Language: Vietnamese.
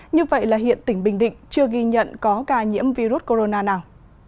như vậy là hiện tỉnh bình định chưa ghi nhận có ca nhiễm virus corona nào